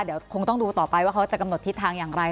เดี๋ยวคงต้องดูต่อไปว่าเขาจะกำหนดทิศทางอย่างไร